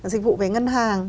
dịch vụ về ngân hàng